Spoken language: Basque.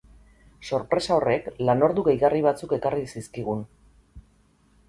Sorpresa horrek lanordu gehigarri batzuk ekarri zizkigun.